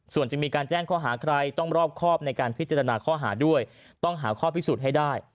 ส่วนจะมีการแจ้งข้อหาใครต้องรอบครอบในการพิจารณาข้อหาด้วยต้องหาข้อพิสูจน์ให้ได้